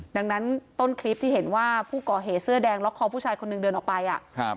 ดังนั้นต้นคลิปที่เห็นว่าผู้ก่อเหตุเสื้อแดงล็อกคอผู้ชายคนหนึ่งเดินออกไปอ่ะครับ